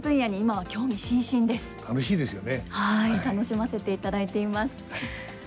はい楽しませていただいています。